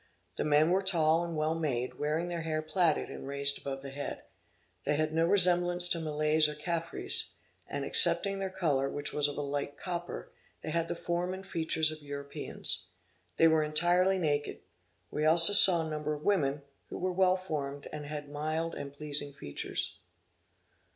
The men were tall and well made, wearing their hair plaited and raised above the head; they had no resemblance to Malays or Caffres; and excepting their color, which was of a light copper, they had the form and features of Europeans. They were entirely naked. We also saw a number of women, who were well formed, and had mild and pleasing features.